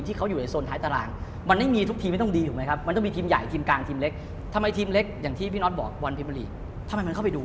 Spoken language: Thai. ที่เค้าอยู่ในโทรศัพท์ท้ายตาราง